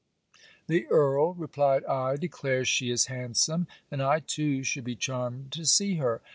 _' 'The Earl,' replied I, 'declares she is handsome, and I too should be charmed to see her.